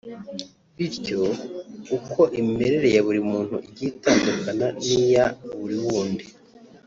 bityo… uko imimerere ya buri muntu igiye itandukana n’iya buri wundi